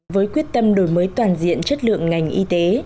với quyết tâm đổi mới toàn diện chất lượng ngành y tế